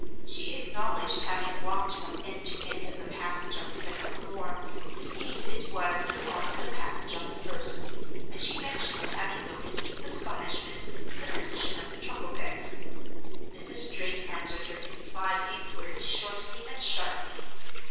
She acknowledged having walked from end to end of the passage on the second floor, to see if it was as long as the passage on the first; and she mentioned having noticed with astonishment the position of the truckle bed. Mrs. Drake answered her implied inquiry shortly and sharply.